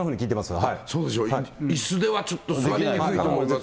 そうでしょう、いすではちょっとやりにくいと思います。